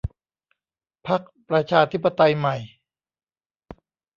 พรรคประชาธิปไตยใหม่